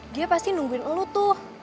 dia pasti nungguin elu tuh